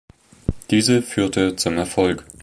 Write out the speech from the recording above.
Diese führte zum Erfolg.